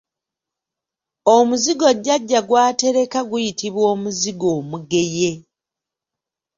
Omuzigo jjajja gw’atereka guyitibwa Omuzigo omugenye.